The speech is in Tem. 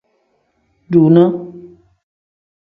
Dunaa.